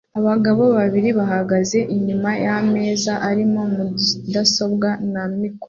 abagabo babiri bahagaze inyuma yameza arimo mudasobwa na mikoro